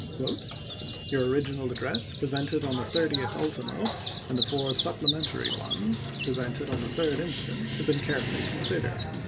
1863. Your original address presented on the 30th ultimo, and the four supplementary ones, presented on the 3d instant, have been carefully considered.